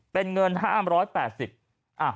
เป็นเงิน๕๘๐บาท